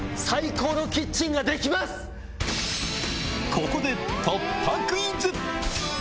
ここで突破クイズ！